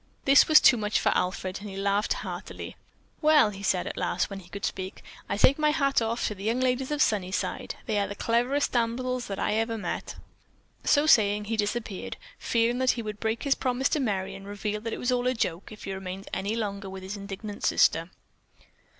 This was too much for Alfred and he laughed heartily. "Well," he said at last, when he could speak, "I take off my hat to the young ladies of Sunnyside. They are the cleverest damsels that I ever met." So saying, he disappeared, fearing that he would break his promise to Merry and reveal that it was all a joke if he remained any longer with his indignant sister.